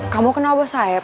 kamu kenal bos saeb